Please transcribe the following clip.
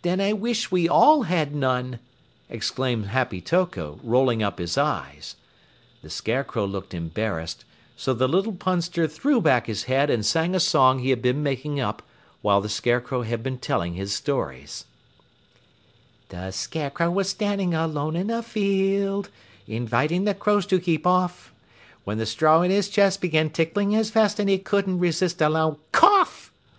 "Then I wish we all had none!" exclaimed Happy Toko, rolling up his eyes. The Scarecrow looked embarrassed, so the little Punster threw back his head and sang a song he had been making up while the Scarecrow had been telling his stories: The Scarecrow was standing alone in a field, Inviting the crows to keep off, When the straw in his chest began tickling his vest And he couldn't resist a loud cough.